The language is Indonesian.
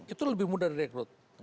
itu lebih mudah direkrut